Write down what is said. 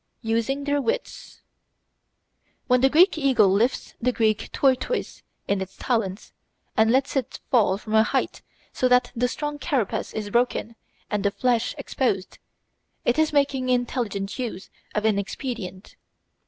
Using their Wits When the Greek eagle lifts the Greek tortoise in its talons, and lets it fall from a height so that the strong carapace is broken and the flesh exposed, it is making intelligent use of an expedient.